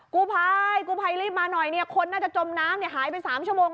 กูภัยรีบมาหน่อยคนน่าจะจมน้ำหายไป๓ชั่วโมง